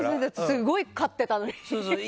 すごい勝ってたのに。